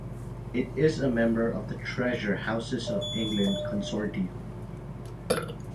It is a member of the Treasure Houses of England consortium.